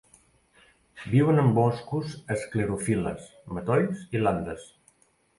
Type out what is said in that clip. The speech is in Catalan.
Viuen en boscos esclerofil·les, matolls i landes.